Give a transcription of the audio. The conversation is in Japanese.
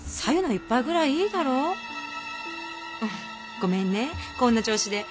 ごめんねこんな調子で。